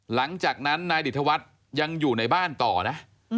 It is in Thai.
หลังจากนั้นนายดิตวัฒน์ยังอยู่ในบ้านต่อนะ